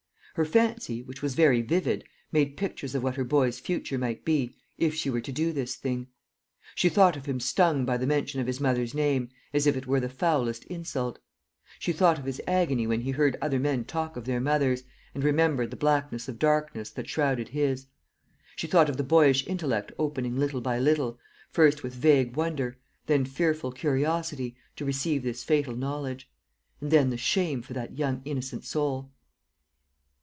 Her fancy, which was very vivid, made pictures of what her boy's future might be, if she were to do this thing. She thought of him stung by the mention of his mother's name, as if it were the foulest insult. She thought of his agony when he heard other men talk of their mothers, and remembered the blackness of darkness that shrouded his. She thought of the boyish intellect opening little by little, first with vague wonder, then fearful curiosity, to receive this fatal knowledge; and then the shame for that young innocent soul!